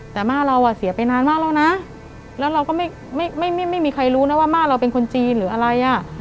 แต่ม่าเราอ่ะเสียไปนานมากแล้วนะแล้วเราก็ไม่มีใครรู้นะว่าม่าเราเป็นคนจีนหรืออะไรอ่ะ